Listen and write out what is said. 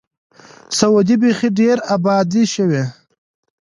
سعودي بیخي ډېر آباد شوی.